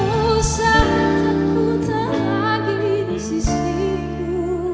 oh saat takut tak lagi di sisimu